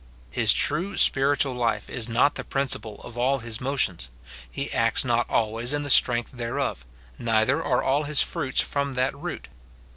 His true spiritual life is not the principle of all his motions ; he acts not always in the strength thereof, neither are all his fruits from that root.